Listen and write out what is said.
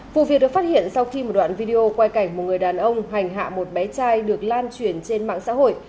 vụ việc được phát hiện sau khi một đoạn video quay cảnh một người đàn ông hành hạ một bé trai được lan truyền trên mạng xã hội